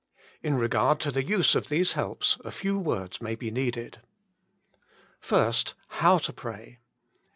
In regard to the use of these helps a few words may be needed. 1. How to Pray.